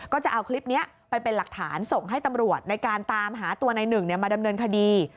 ก็จะเอาคลิปนี้ไปเป็นหลักฐานส่งให้ตำรวจในการตามหาตัวในหนึ่งมาดำเนินคดี